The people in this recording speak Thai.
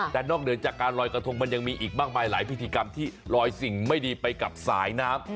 แต่นอกเหนือจากการลอยกระทงมันยังมีอีกมากมายหลายพิธีกรรมที่ลอยสิ่งไม่ดีไปกับสายน้ำ